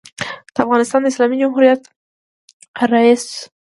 دافغانستان د اسلامي جمهوریت رئیس